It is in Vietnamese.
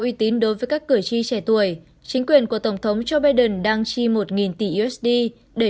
uy tín đối với các cử tri trẻ tuổi chính quyền của tổng thống joe biden đang chi một tỷ usd để